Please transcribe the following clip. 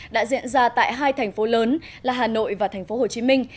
đã diễn ra tại hai thành phố lớn là hà nội và thành phố hồ chí minh